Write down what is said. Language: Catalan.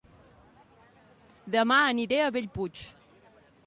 Dema aniré a Bellpuig